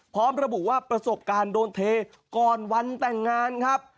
พร้อมระบุว่าประสบการณ์โดนเทก่อนวันแต่งงานครับ